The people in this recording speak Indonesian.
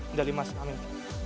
indra limas amin